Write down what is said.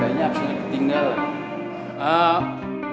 kayaknya absennya ketinggalan